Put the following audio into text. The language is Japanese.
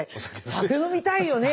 「酒飲みたいよね」